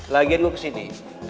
lagian gue kesini